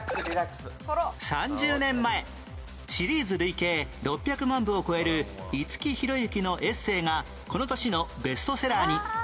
３０年前シリーズ累計６００万部を超える五木寛之のエッセイがこの年のベストセラーに